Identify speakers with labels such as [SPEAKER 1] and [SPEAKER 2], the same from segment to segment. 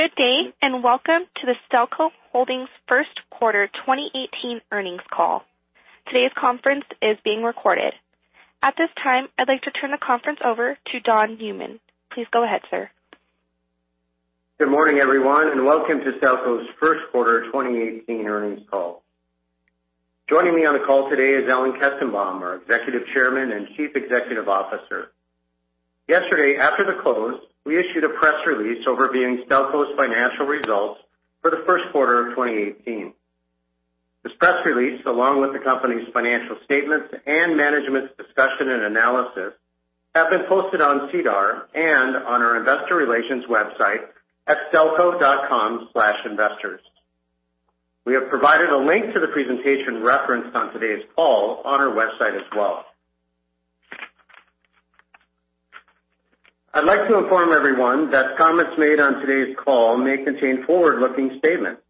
[SPEAKER 1] Good day, and welcome to the Stelco Holdings first quarter 2018 earnings call. Today's conference is being recorded. At this time, I'd like to turn the conference over to Don Newman. Please go ahead, sir.
[SPEAKER 2] Good morning, everyone, welcome to Stelco's first quarter 2018 earnings call. Joining me on the call today is Alan Kestenbaum, our Executive Chairman and Chief Executive Officer. Yesterday, after the close, we issued a press release overviewing Stelco's financial results for the first quarter of 2018. This press release, along with the company's financial statements and Management's Discussion and Analysis, have been posted on SEDAR and on our investor relations website at stelco.com/investors. We have provided a link to the presentation referenced on today's call on our website as well. I'd like to inform everyone that comments made on today's call may contain forward-looking statements,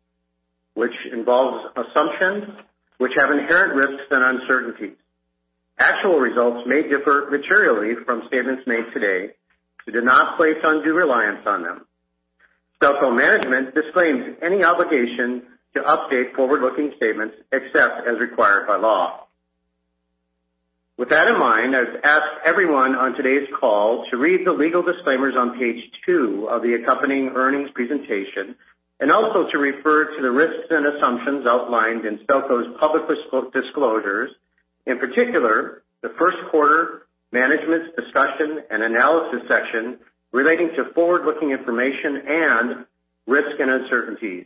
[SPEAKER 2] which involves assumptions which have inherent risks and uncertainties. Actual results may differ materially from statements made today, do not place undue reliance on them. Stelco management disclaims any obligation to update forward-looking statements except as required by law. With that in mind, I would ask everyone on today's call to read the legal disclaimers on page two of the accompanying earnings presentation, to refer to the risks and assumptions outlined in Stelco's public disclosures, in particular, the first quarter Management's Discussion and Analysis section relating to forward-looking information and risks and uncertainties,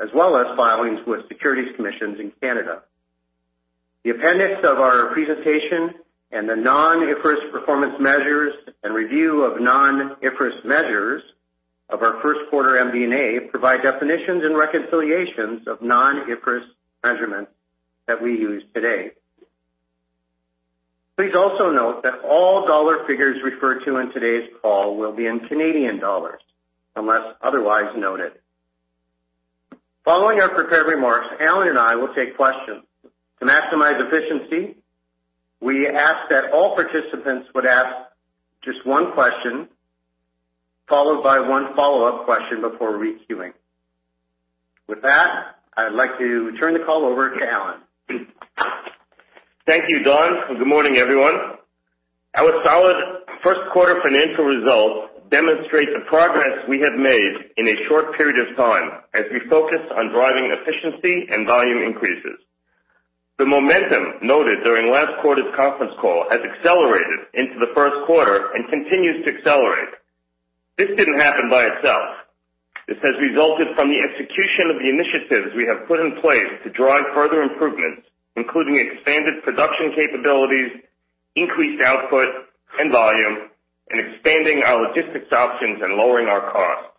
[SPEAKER 2] as well as filings with securities commissions in Canada. The appendix of our presentation and the non-IFRS performance measures and review of non-IFRS measures of our first quarter MD&A provide definitions and reconciliations of non-IFRS measurements that we use today. Please also note that all dollar figures referred to on today's call will be in Canadian dollars unless otherwise noted. Following our prepared remarks, Alan and I will take questions. To maximize efficiency, we ask that all participants would ask just one question followed by one follow-up question before re-queuing. With that, I'd like to turn the call over to Alan.
[SPEAKER 3] Thank you, Don, and good morning, everyone. Our solid first quarter financial results demonstrate the progress we have made in a short period of time as we focus on driving efficiency and volume increases. The momentum noted during last quarter's conference call has accelerated into the first quarter and continues to accelerate. This didn't happen by itself. This has resulted from the execution of the initiatives we have put in place to drive further improvements, including expanded production capabilities, increased output and volume, and expanding our logistics options and lowering our costs.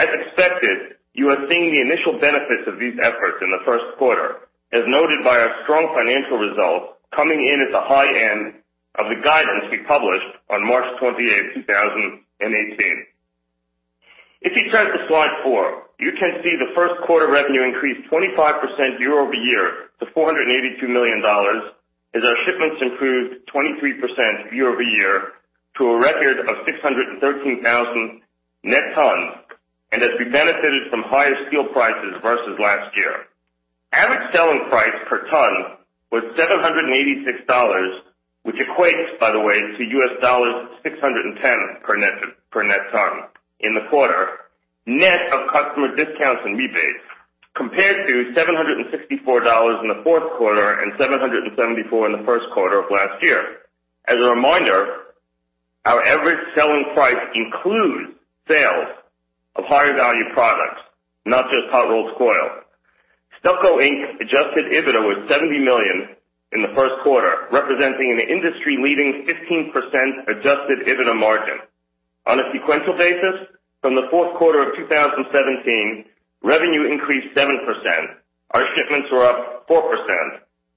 [SPEAKER 3] As expected, you are seeing the initial benefits of these efforts in the first quarter, as noted by our strong financial results coming in at the high end of the guidance we published on March 28, 2018. If you turn to slide four, you can see the first quarter revenue increased 25% year-over-year to 482 million dollars as our shipments improved 23% year-over-year to a record of 613,000 net tons and as we benefited from higher steel prices versus last year. Average selling price per ton was 786 dollars, which equates, by the way, to US$610 per net ton in the quarter, net of customer discounts and rebates, compared to 764 dollars in the fourth quarter and 774 in the first quarter of last year. As a reminder, our average selling price includes sales of higher-value products, not just hot-rolled coil. Stelco Inc. adjusted EBITDA was 70 million in the first quarter, representing an industry-leading 15% adjusted EBITDA margin. On a sequential basis, from the fourth quarter of 2017, revenue increased 7%, our shipments were up 4%,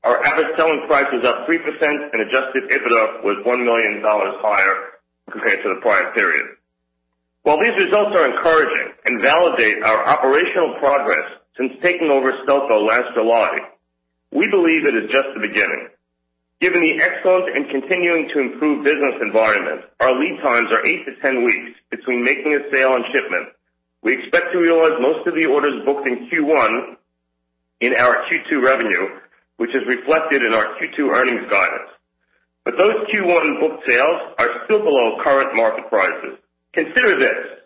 [SPEAKER 3] our average selling price was up 3%, and adjusted EBITDA was 1 million dollars higher compared to the prior period. While these results are encouraging and validate our operational progress since taking over Stelco last July, we believe it is just the beginning. Given the excellent and continuing to improve business environment, our lead times are 8-10 weeks between making a sale and shipment. We expect to realize most of the orders booked in Q1 in our Q2 revenue, which is reflected in our Q2 earnings guidance. Those Q1 booked sales are still below current market prices. Consider this: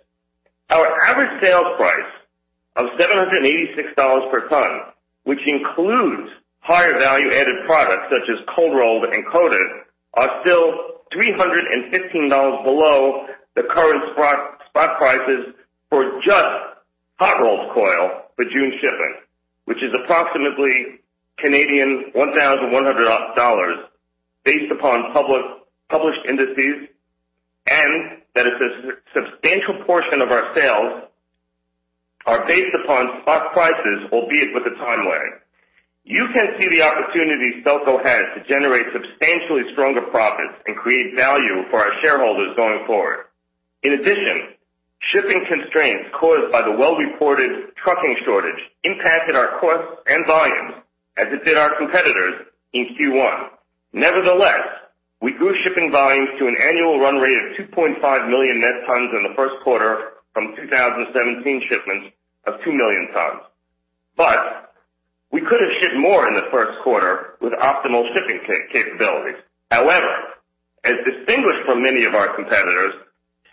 [SPEAKER 3] our average sales price of 786 dollars per ton, which includes higher value-added products such as cold-rolled and coated, are still 315 dollars below the current spot prices for just hot-rolled coil for June shipping, which is approximately 1,100 Canadian dollars based upon published indices, and that a substantial portion of our sales are based upon spot prices, albeit with a time lag. You can see the opportunity Stelco has to generate substantially stronger profits and create value for our shareholders going forward. In addition, shipping constraints caused by the well-reported trucking shortage impacted our costs and volumes as it did our competitors in Q1. We grew shipping volumes to an annual run rate of 2.5 million net tons in the first quarter from 2017 shipments of 2 million tons. We could have shipped more in the first quarter with optimal shipping capabilities. As distinguished from many of our competitors,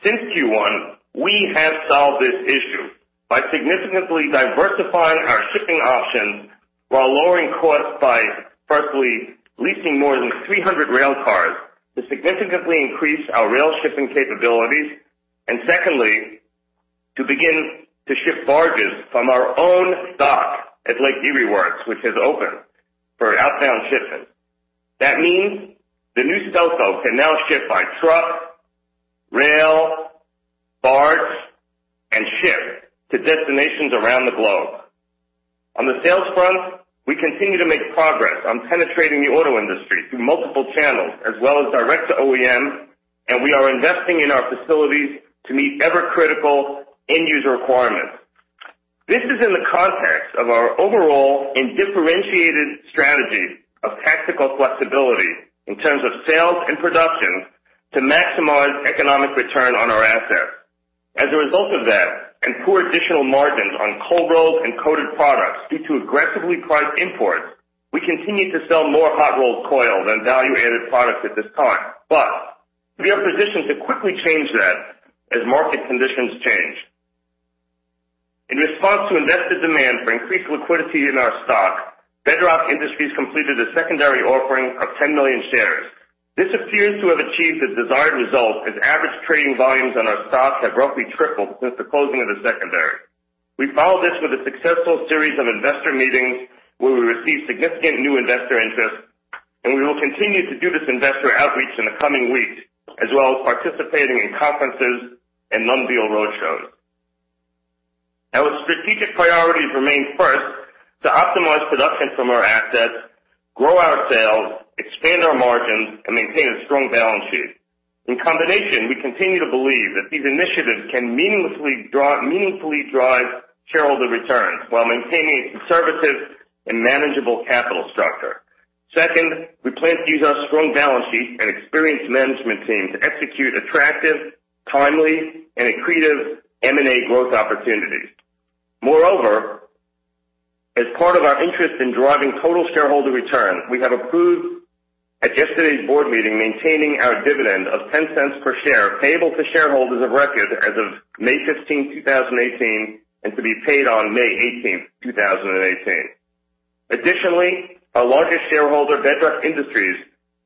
[SPEAKER 3] since Q1, we have solved this issue by significantly diversifying our shipping options while lowering costs by firstly, leasing more than 300 rail cars to significantly increase our rail shipping capabilities, and secondly, to begin to ship barges from our own dock at Lake Erie Works, which has opened for outbound shipping. That means the new Stelco can now ship by truck, rail, barge, and ship to destinations around the globe. On the sales front, we continue to make progress on penetrating the auto industry through multiple channels as well as direct to OEM, and we are investing in our facilities to meet ever-critical end-user requirements. This is in the context of our overall and differentiated strategy of tactical flexibility in terms of sales and production to maximize economic return on our assets. As a result of that and poor additional margins on cold-rolled and coated products due to aggressively priced imports, we continue to sell more hot-rolled coil than value-added products at this time. We are positioned to quickly change that as market conditions change. In response to invested demand for increased liquidity in our stock, Bedrock Industries completed a secondary offering of 10 million shares. This appears to have achieved the desired result, as average trading volumes on our stock have roughly tripled since the closing of the secondary. We followed this with a successful series of investor meetings where we received significant new investor interest, and we will continue to do this investor outreach in the coming weeks, as well as participating in conferences and non-deal roadshows. Our strategic priorities remain, first, to optimize production from our assets, grow our sales, expand our margins, and maintain a strong balance sheet. In combination, we continue to believe that these initiatives can meaningfully drive shareholder returns while maintaining a conservative and manageable capital structure. Second, we plan to use our strong balance sheet and experienced management team to execute attractive, timely, and accretive M&A growth opportunities. Moreover, as part of our interest in driving total shareholder return, we have approved at yesterday's board meeting, maintaining our dividend of 0.10 per share, payable to shareholders of record as of May 15, 2018, and to be paid on May 18, 2018. Our largest shareholder, Bedrock Industries,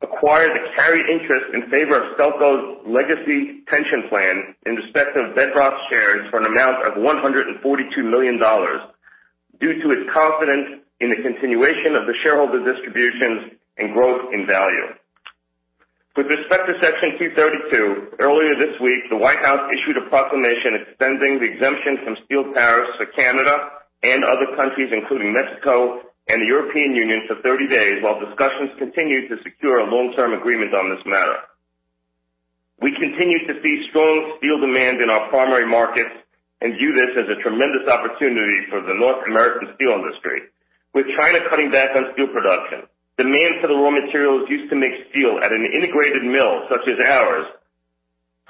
[SPEAKER 3] acquired a carry interest in favor of Stelco's legacy pension plan in respect of Bedrock shares for an amount of 142 million dollars, due to its confidence in the continuation of the shareholder distributions and growth in value. With respect to Section 232, earlier this week, the White House issued a proclamation extending the exemption from steel tariffs to Canada and other countries, including Mexico and the European Union, for 30 days while discussions continue to secure a long-term agreement on this matter. We continue to see strong steel demand in our primary markets and view this as a tremendous opportunity for the North American steel industry. With China cutting back on steel production, demand for the raw materials used to make steel at an integrated mill such as ours,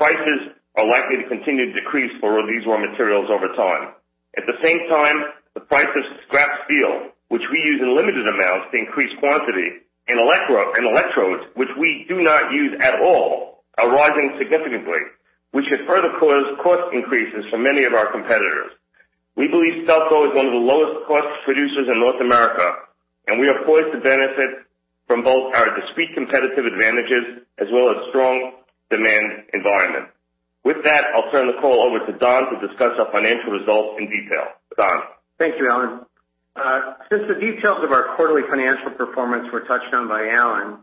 [SPEAKER 3] prices are likely to continue to decrease for these raw materials over time. At the same time, the price of scrap steel, which we use in limited amounts to increase quantity, and electrodes, which we do not use at all, are rising significantly, which should further cause cost increases for many of our competitors. We believe Stelco is one of the lowest-cost producers in North America, and we are poised to benefit from both our discrete competitive advantages as well as strong demand environment. With that, I'll turn the call over to Don to discuss our financial results in detail. Don?
[SPEAKER 2] Thank you, Alan. Since the details of our quarterly financial performance were touched on by Alan,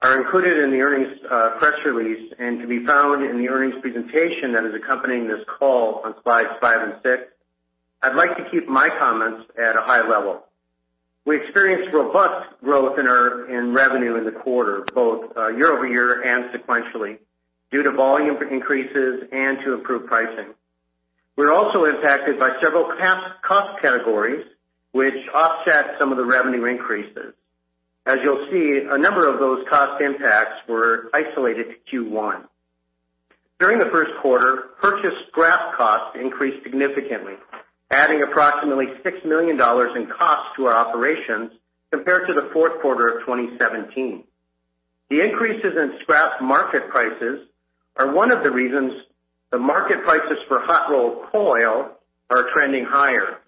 [SPEAKER 2] are included in the earnings press release and can be found in the earnings presentation that is accompanying this call on slides five and six, I'd like to keep my comments at a high level. We experienced robust growth in revenue in the quarter, both year-over-year and sequentially, due to volume increases and to improved pricing. We were also impacted by several cost categories, which offset some of the revenue increases. As you'll see, a number of those cost impacts were isolated to Q1. During the first quarter, purchased scrap costs increased significantly, adding approximately 6 million dollars in costs to our operations compared to the fourth quarter of 2017. The increases in scrap market prices are one of the reasons the market prices for hot-rolled coil are trending higher.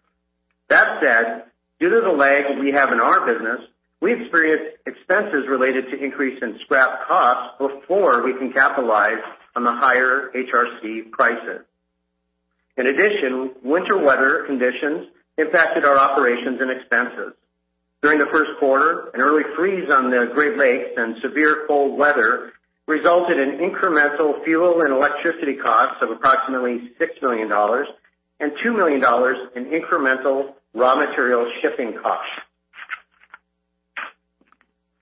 [SPEAKER 2] That said, due to the lag we have in our business, we experience expenses related to increase in scrap costs before we can capitalize on the higher HRC prices. In addition, winter weather conditions impacted our operations and expenses. During the first quarter, an early freeze on the Great Lakes and severe cold weather resulted in incremental fuel and electricity costs of approximately 6 million dollars and 2 million dollars in incremental raw material shipping costs.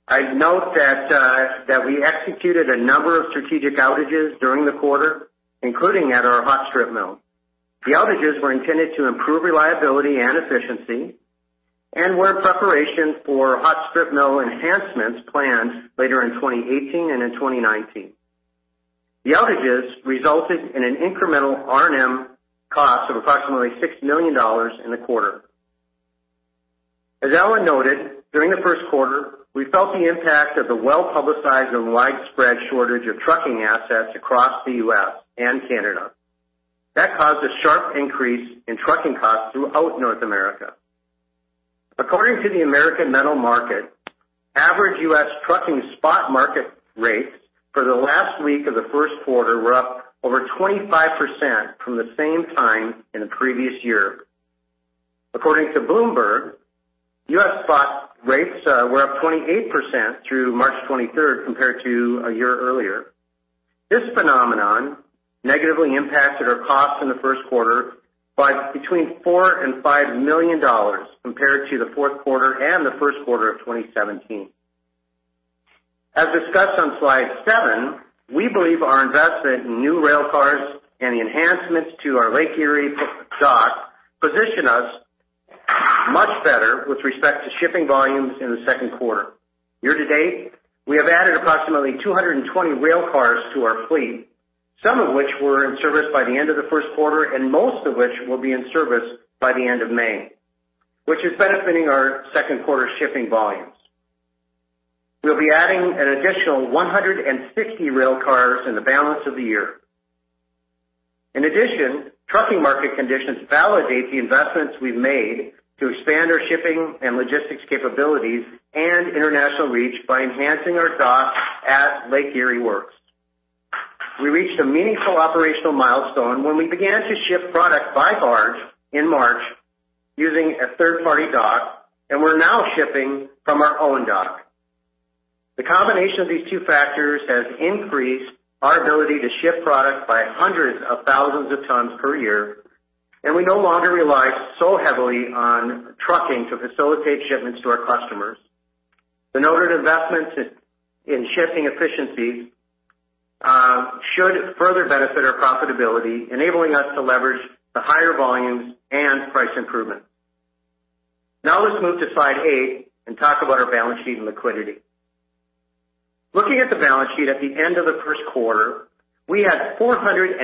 [SPEAKER 2] I'd note that we executed a number of strategic outages during the quarter, including at our hot strip mill. We're in preparation for hot strip mill enhancements planned later in 2018 and in 2019. The outages resulted in an incremental R&M cost of approximately 6 million dollars in the quarter. As Alan noted, during the first quarter, we felt the impact of the well-publicized and widespread shortage of trucking assets across the U.S. and Canada. That caused a sharp increase in trucking costs throughout North America. According to the American Metal Market, average U.S. trucking spot market rates for the last week of the first quarter were up over 25% from the same time in the previous year. According to Bloomberg, U.S. spot rates were up 28% through March 23rd compared to a year earlier. This phenomenon negatively impacted our costs in the first quarter by between 4 million and 5 million dollars compared to the fourth quarter and the first quarter of 2017. As discussed on slide seven, we believe our investment in new rail cars and the enhancements to our Lake Erie dock position us much better with respect to shipping volumes in the second quarter. Year-to-date, we have added approximately 220 rail cars to our fleet, some of which were in service by the end of the first quarter, and most of which will be in service by the end of May, which is benefiting our second quarter shipping volumes. We'll be adding an additional 160 rail cars in the balance of the year. In addition, trucking market conditions validate the investments we've made to expand our shipping and logistics capabilities and international reach by enhancing our dock at Lake Erie Works. We reached a meaningful operational milestone when we began to ship product by barge in March using a third-party dock, and we're now shipping from our own dock. The combination of these two factors has increased our ability to ship product by hundreds of thousands of tons per year, and we no longer rely so heavily on trucking to facilitate shipments to our customers. The noted investments in shipping efficiency should further benefit our profitability, enabling us to leverage the higher volumes and price improvements. Let's move to slide eight and talk about our balance sheet and liquidity. Looking at the balance sheet at the end of the first quarter, we had 499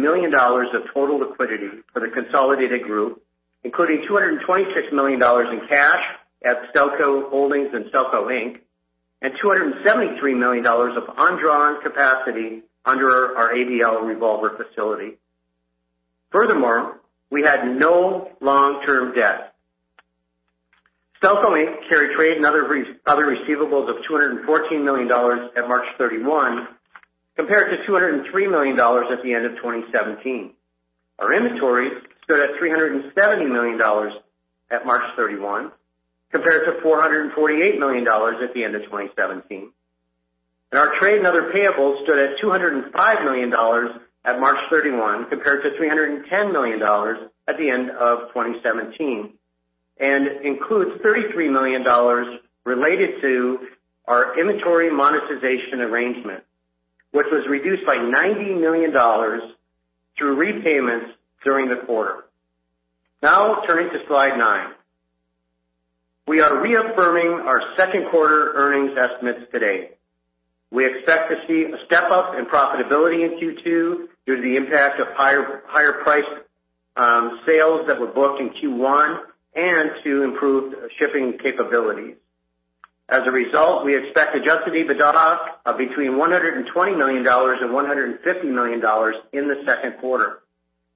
[SPEAKER 2] million dollars of total liquidity for the consolidated group, including 226 million dollars in cash at Stelco Holdings and Stelco Inc., and 273 million dollars of undrawn capacity under our ABL revolver facility. Furthermore, we had no long-term debt. Stelco Inc. carried trade and other receivables of 214 million dollars at March 31, compared to 203 million dollars at the end of 2017. Our inventories stood at 370 million dollars at March 31, compared to 448 million dollars at the end of 2017. Our trade and other payables stood at 205 million dollars at March 31, compared to 310 million dollars at the end of 2017, and includes 33 million dollars related to our inventory monetization arrangement, which was reduced by 90 million dollars through repayments during the quarter. Turning to slide nine. We are reaffirming our second quarter earnings estimates today. We expect to see a step-up in profitability in Q2 due to the impact of higher-priced sales that were booked in Q1 and to improved shipping capabilities. As a result, we expect adjusted EBITDA of between 120 million dollars and 150 million dollars in the second quarter,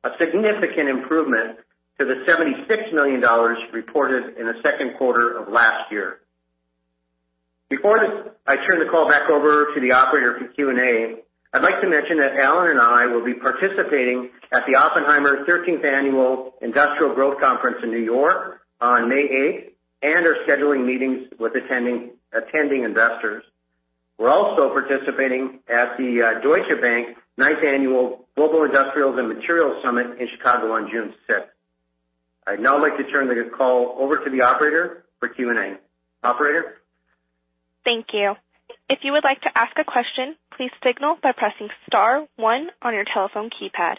[SPEAKER 2] a significant improvement to the 76 million dollars reported in the second quarter of last year. Before I turn the call back over to the operator for Q&A, I'd like to mention that Alan and I will be participating at the Oppenheimer 13th Annual Industrial Growth Conference in New York on May 8th, and are scheduling meetings with attending investors. We're also participating at the Deutsche Bank Ninth Annual Global Industrials and Materials Summit in Chicago on June 5th. I'd now like to turn the call over to the operator for Q&A. Operator?
[SPEAKER 1] Thank you. If you would like to ask a question, please signal by pressing *1 on your telephone keypad.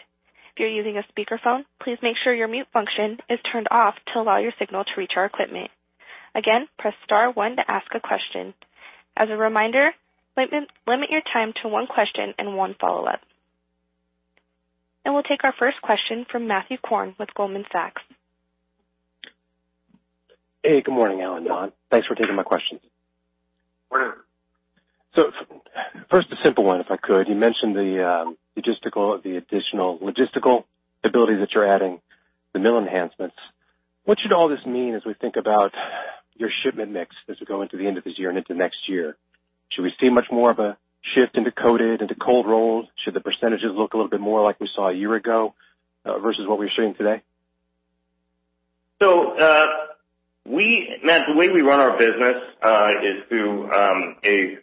[SPEAKER 1] If you're using a speakerphone, please make sure your mute function is turned off to allow your signal to reach our equipment. Again, press *1 to ask a question. As a reminder, limit your time to one question and one follow-up. We'll take our first question from Matthew Korn with Goldman Sachs.
[SPEAKER 4] Hey, good morning, Alan, Don. Thanks for taking my questions.
[SPEAKER 2] Morning.
[SPEAKER 4] First, a simple one, if I could. You mentioned the logistical ability that you're adding, the mill enhancements. What should all this mean as we think about your shipment mix as we go into the end of this year and into next year? Should we see much more of a shift into coated, into cold rolls? Should the percentages look a little bit more like we saw a year ago versus what we're seeing today?
[SPEAKER 3] Matt, the way we run our business is through a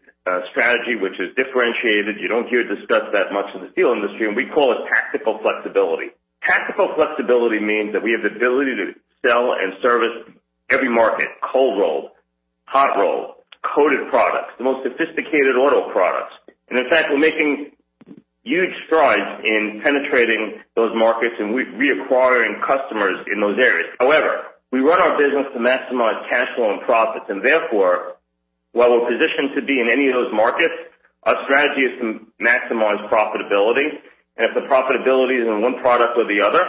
[SPEAKER 3] strategy which is differentiated. You don't hear it discussed that much in the steel industry, and we call it tactical flexibility. Tactical flexibility means that we have the ability to sell and service every market, cold roll, hot roll, coated products, the most sophisticated auto products. In fact, we're making Huge strides in penetrating those markets and reacquiring customers in those areas. We run our business to maximize cash flow and profits, therefore, while we're positioned to be in any of those markets, our strategy is to maximize profitability. If the profitability is in one product or the other,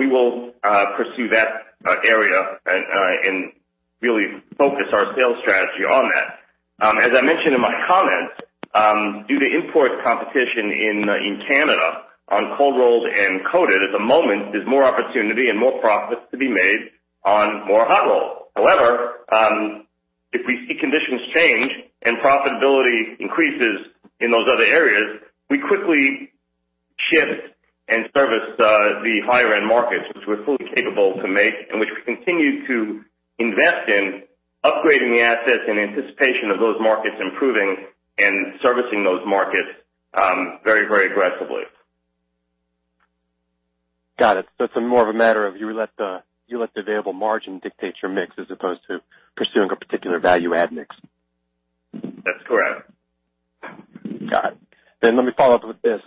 [SPEAKER 3] we will pursue that area and really focus our sales strategy on that. As I mentioned in my comments, due to import competition in Canada on cold-rolled and coated, at the moment, there's more opportunity and more profits to be made on more hot rolls. If we see conditions change and profitability increases in those other areas, we quickly shift and service the higher-end markets, which we're fully capable to make, and which we continue to invest in upgrading the assets in anticipation of those markets improving and servicing those markets very aggressively.
[SPEAKER 4] Got it. It's more of a matter of you let the available margin dictate your mix as opposed to pursuing a particular value add mix.
[SPEAKER 3] That's correct.
[SPEAKER 4] Got it. Let me follow up with this.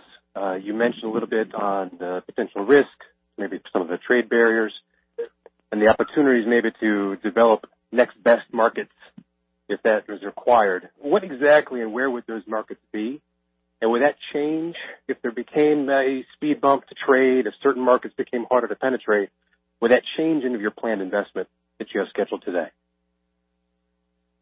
[SPEAKER 4] You mentioned a little bit on the potential risk, maybe some of the trade barriers, and the opportunities maybe to develop next best markets if that is required. What exactly and where would those markets be? Would that change if there became a speed bump to trade, if certain markets became harder to penetrate, would that change any of your planned investment that you have scheduled today?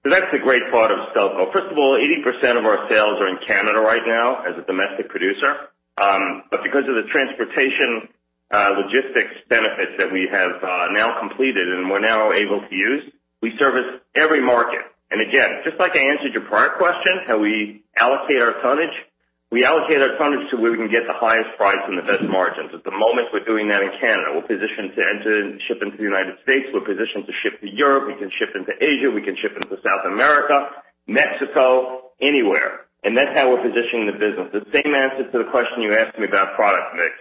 [SPEAKER 3] That's the great part of Stelco. First of all, 80% of our sales are in Canada right now as a domestic producer. Because of the transportation logistics benefits that we have now completed and we're now able to use, we service every market. Again, just like I answered your prior question, how we allocate our tonnage, we allocate our tonnage to where we can get the highest price and the best margins. At the moment, we're doing that in Canada. We're positioned to enter and ship into the U.S. We're positioned to ship to Europe. We can ship into Asia. We can ship into South America, Mexico, anywhere. That's how we're positioning the business. The same answer to the question you asked me about product mix.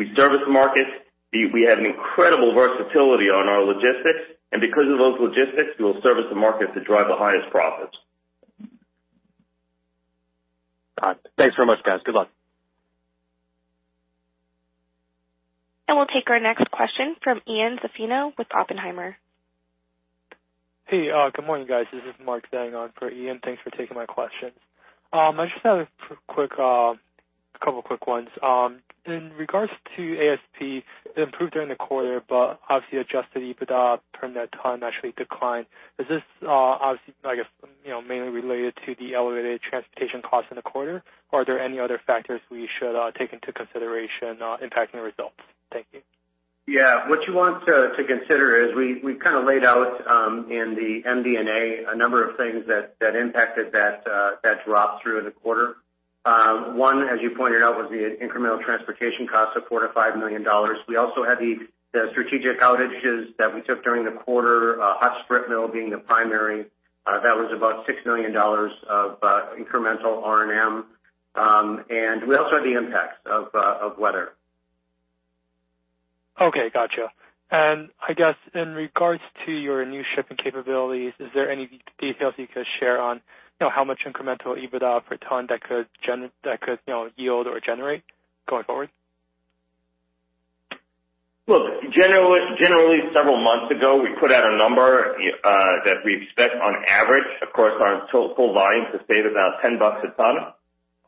[SPEAKER 3] We service the market. We have an incredible versatility on our logistics, because of those logistics, we will service the market to drive the highest profits.
[SPEAKER 4] Got it. Thanks very much, guys. Good luck.
[SPEAKER 1] We'll take our next question from Ian Zaffino with Oppenheimer.
[SPEAKER 5] Hey, good morning, guys. This is Mark sitting on for Ian. Thanks for taking my questions. I just have a couple of quick ones. In regards to ASP, it improved during the quarter, but obviously adjusted EBITDA per ton actually declined. Is this obviously, I guess, mainly related to the elevated transportation cost in the quarter, or are there any other factors we should take into consideration impacting the results? Thank you.
[SPEAKER 2] Yeah. What you want to consider is we've kind of laid out, in the MD&A, a number of things that impacted that drop through the quarter. One, as you pointed out, was the incremental transportation cost of 4 million-5 million dollars. We also had the strategic outages that we took during the quarter, Hot Strip Mill being the primary. That was about 6 million dollars of incremental R&M. We also had the impacts of weather.
[SPEAKER 5] Okay, got you. I guess in regards to your new shipping capabilities, is there any details you could share on how much incremental EBITDA per ton that could yield or generate going forward?
[SPEAKER 3] Look, generally, several months ago, we put out a number, that we expect on average, of course, on full volume to save about 10 bucks a ton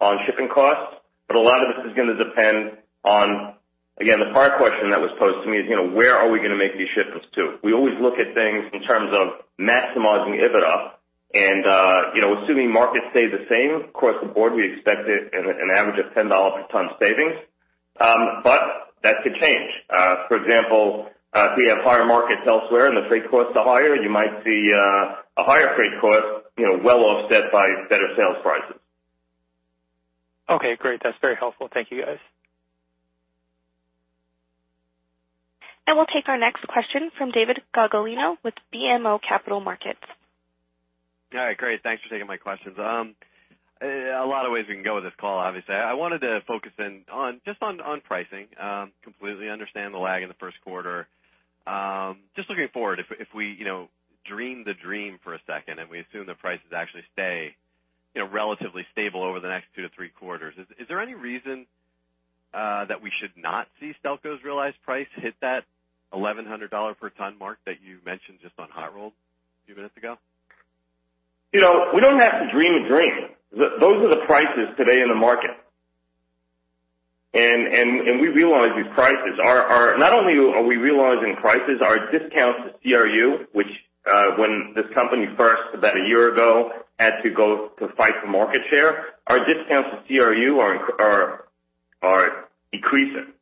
[SPEAKER 3] on shipping costs. A lot of this is going to depend on, again, the prior question that was posed to me is, where are we going to make these shipments to? We always look at things in terms of maximizing EBITDA and assuming markets stay the same, across the board, we expect an average of 10 dollars a ton savings. That could change. For example, if we have higher markets elsewhere and the freight costs are higher, you might see a higher freight cost well offset by better sales prices.
[SPEAKER 5] Okay, great. That's very helpful. Thank you, guys.
[SPEAKER 1] We'll take our next question from David Gagliano with BMO Capital Markets.
[SPEAKER 6] All right, great. Thanks for taking my questions. A lot of ways we can go with this call, obviously. I wanted to focus in just on pricing. Completely understand the lag in the first quarter. Just looking forward, if we dream the dream for a second, and we assume the prices actually stay relatively stable over the next two to three quarters, is there any reason that we should not see Stelco's realized price hit that 1,100 dollar per ton mark that you mentioned just on hot rolls a few minutes ago?
[SPEAKER 3] We don't have to dream a dream. Those are the prices today in the market. We realize these prices. Not only are we realizing prices, our discounts to CRU, which when this company first, about a year ago, had to go to fight for market share, our discounts to CRU are decreasing.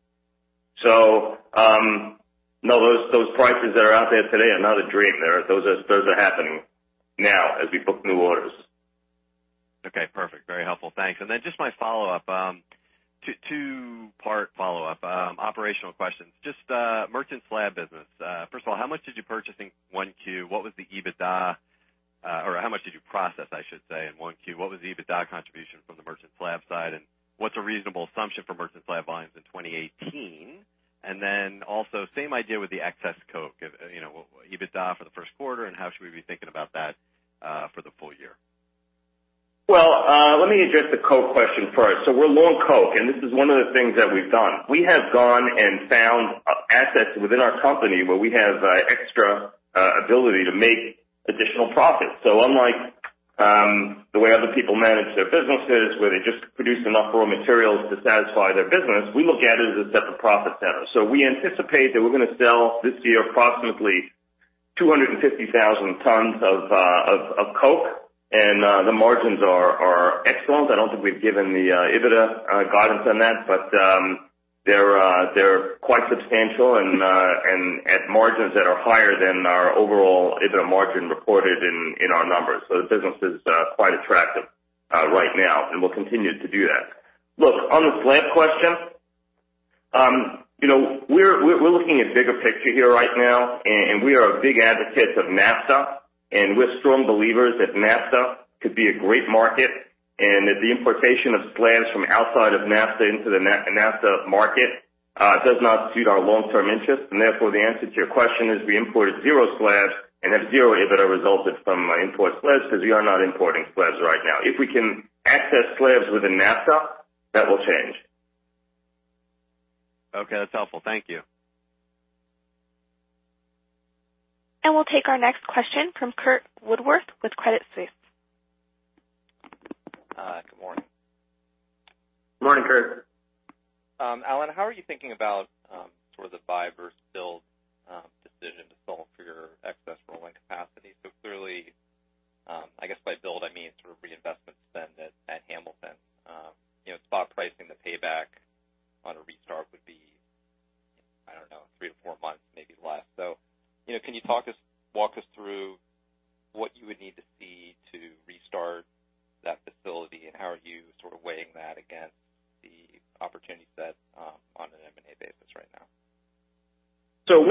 [SPEAKER 3] No, those prices that are out there today are not a dream. Those are happening now as we book new orders.
[SPEAKER 6] Okay, perfect. Very helpful. Thanks. Just my follow-up, two-part follow-up, operational questions. Merchant slab business. First of all, how much did you purchase in 1Q? What was the EBITDA, or how much did you process, I should say, in 1Q? What was the EBITDA contribution from the merchant slab side, and what's a reasonable assumption for merchant slab volumes in 2018? Also same idea with the excess coke, EBITDA for the first quarter, and how should we be thinking about that for the full year?
[SPEAKER 3] Well, let me address the coke question first. We're long coke, and this is one of the things that we've done. We have gone and found assets within our company where we have extra ability to make additional profit. Unlike the way other people manage their businesses, where they just produce enough raw materials to satisfy their business, we look at it as a separate profit center. We anticipate that we're going to sell this year approximately 250,000 tons of coke, and the margins are excellent. I don't think we've given the EBITDA guidance on that, but they're quite substantial and at margins that are higher than our overall EBITDA margin reported in our numbers. The business is quite attractive right now, and we'll continue to do that. Look, on the slab question, we're looking at bigger picture here right now, and we are big advocates of NAFTA, and we're strong believers that NAFTA could be a great market, and that the importation of slabs from outside of NAFTA into the NAFTA market does not suit our long-term interest. The answer to your question is we imported zero slabs and have zero EBITDA resulted from imported slabs because we are not importing slabs right now. If we can access slabs within NAFTA, that will change.
[SPEAKER 6] Okay. That's helpful. Thank you.
[SPEAKER 1] We'll take our next question from [Kirk Woodward] with Credit Suisse.
[SPEAKER 7] Good morning.
[SPEAKER 3] Good morning, Kirk.
[SPEAKER 7] Alan, how are you thinking about sort of the buy versus build decision to solve for your excess rolling capacity? Clearly, I guess by build, I mean sort of reinvestment spend at Hamilton. Spot pricing, the payback on a restart would be, I don't know, three to four months, maybe less. Can you walk us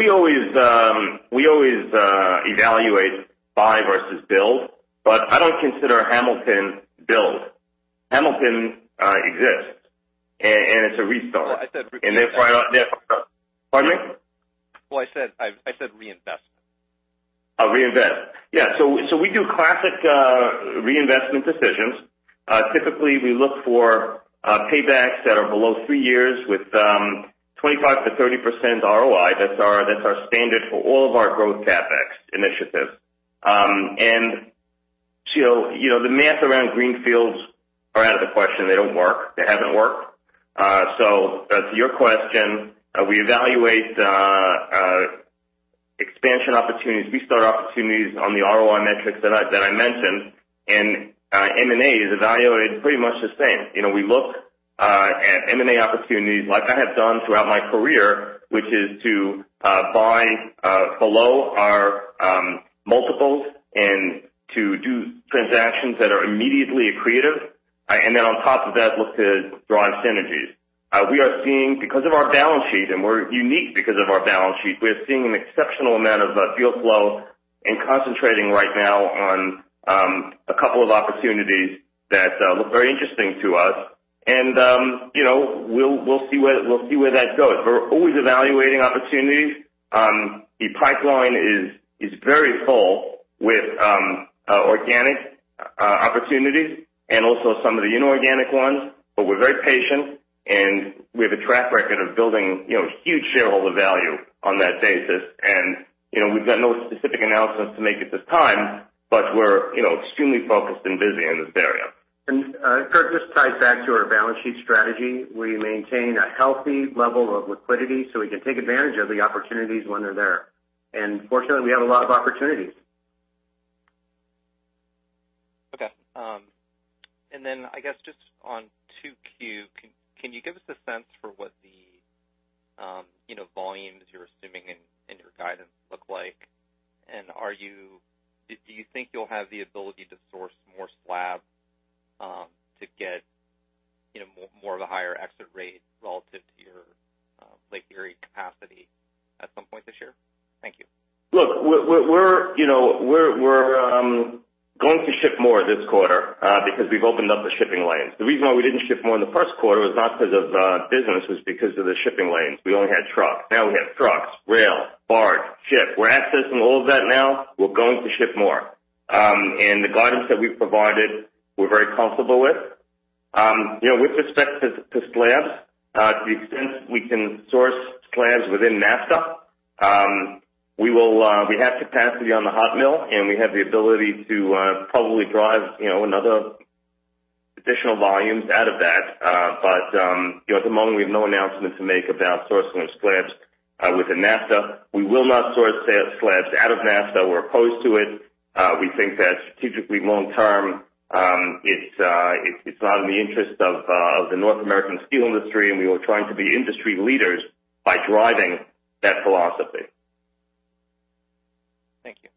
[SPEAKER 7] through what you would need to see to restart that facility, and how are you sort of weighing that against the opportunity set on an M&A basis right now?
[SPEAKER 3] We always evaluate buy versus build, but I don't consider Hamilton build. Hamilton exists, and it's a restart.
[SPEAKER 7] No, I said.
[SPEAKER 3] Pardon me?
[SPEAKER 7] Well, I said reinvest.
[SPEAKER 3] Oh, reinvest. Yeah. We do classic reinvestment decisions. Typically, we look for paybacks that are below 3 years with 25%-30% ROI. That's our standard for all of our growth CapEx initiatives. The math around greenfields are out of the question. They don't work. They haven't worked. To your question, we evaluate expansion opportunities, restart opportunities on the ROI metrics that I mentioned, and M&A is evaluated pretty much the same. We look at M&A opportunities like I have done throughout my career, which is to buy below our multiples and to do transactions that are immediately accretive, and then on top of that, look to drive synergies. Because of our balance sheet, we're unique because of our balance sheet, we are seeing an exceptional amount of [free cash flow] and concentrating right now on a couple of opportunities that look very interesting to us, and we'll see where that goes. We're always evaluating opportunities. The pipeline is very full with organic opportunities and also some of the inorganic ones, we're very patient, and we have a track record of building huge shareholder value on that basis. We've got no specific announcements to make at this time, we're extremely focused and busy in this area.
[SPEAKER 2] Kirk, this ties back to our balance sheet strategy. We maintain a healthy level of liquidity, we can take advantage of the opportunities when they're there. Fortunately, we have a lot of opportunities.
[SPEAKER 7] Okay. I guess just on 2Q, can you give us a sense for what the volumes you're assuming in your guidance look like? Do you think you'll have the ability to source more slab to get more of a higher exit rate relative to your Lake Erie capacity at some point this year? Thank you.
[SPEAKER 3] Look, we're going to ship more this quarter because we've opened up the shipping lanes. The reason why we didn't ship more in the first quarter was not because of business, it was because of the shipping lanes. We only had trucks. Now we have trucks, rail, barge, ship. We're accessing all of that now. We're going to ship more. The guidance that we provided, we're very comfortable with. With respect to slabs, to the extent we can source slabs within NAFTA, we have capacity on the hot mill, and we have the ability to probably drive another additional volumes out of that. At the moment, we have no announcement to make about sourcing of slabs within NAFTA. We will not source slabs out of NAFTA. We're opposed to it. We think that strategically long-term, it's not in the interest of the North American steel industry, and we are trying to be industry leaders by driving that philosophy.
[SPEAKER 7] Thank you.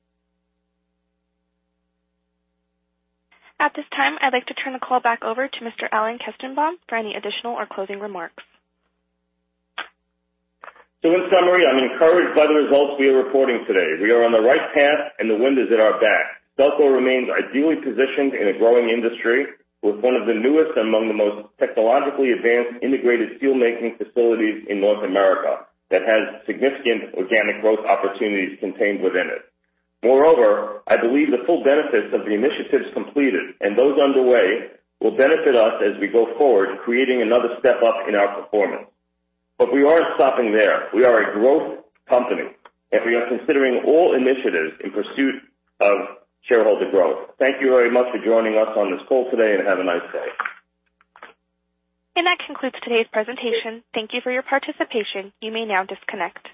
[SPEAKER 1] At this time, I'd like to turn the call back over to Mr. Alan Kestenbaum for any additional or closing remarks.
[SPEAKER 3] In summary, I'm encouraged by the results we are reporting today. We are on the right path, and the wind is at our back. Stelco remains ideally positioned in a growing industry with one of the newest, among the most technologically advanced integrated steelmaking facilities in North America that has significant organic growth opportunities contained within it. Moreover, I believe the full benefits of the initiatives completed and those underway will benefit us as we go forward, creating another step up in our performance. We aren't stopping there. We are a growth company, and we are considering all initiatives in pursuit of shareholder growth. Thank you very much for joining us on this call today, and have a nice day.
[SPEAKER 1] That concludes today's presentation. Thank you for your participation. You may now disconnect.